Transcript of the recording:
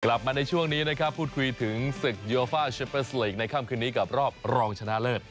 กลับมาในช่วงนี้นะครับพูดคุยถึงศึกโยฟ่าเชเปอร์สลีกในค่ำคืนนี้กับรอบรองชนะเลิศ